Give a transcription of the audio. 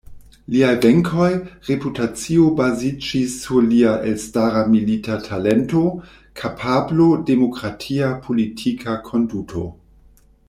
Liaj venkoj, reputacio baziĝis sur lia elstara milita talento, kapablo, demokratia politika konduto.